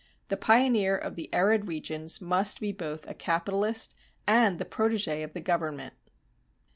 The pioneer of the arid regions must be both a capitalist and the protégé of the government.